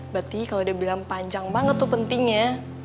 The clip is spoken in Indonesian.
berarti kalau dia bilang panjang banget tuh pentingnya